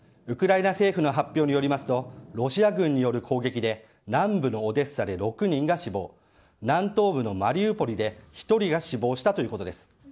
ウクライナ政府の発表によりますとロシア軍による攻撃で南部のオデッサで６人が死亡南部のマリウポリで６人が死亡したということです。